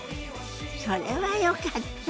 それはよかった。